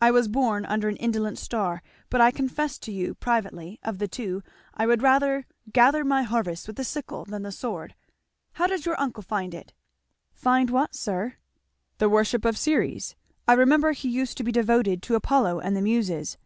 "I was born under an indolent star, but I confess to you, privately, of the two I would rather gather my harvests with the sickle than the sword. How does your uncle find it?" "Find what, sir?" "The worship of Ceres? I remember he used to be devoted to Apollo and the Muses."